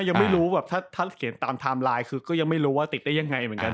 ยังไม่รู้แบบถ้าเขียนตามไทม์ไลน์คือก็ยังไม่รู้ว่าติดได้ยังไงเหมือนกัน